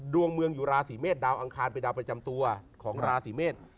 ดวงเมืองอยู่ราศีเมษดาวอังคารเป็นดาวประจำตัวของราศีเมษ